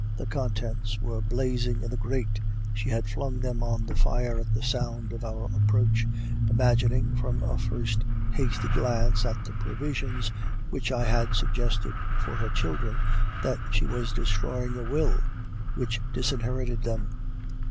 The contents were blazing in the grate; she had flung them on the fire at the sound of our approach, imagining, from a first hasty glance at the provisions which I had suggested for her children, that she was destroying a will which disinherited them.